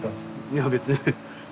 いや別に。